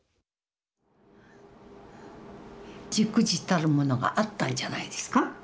じくじたるものがあったんじゃないですか。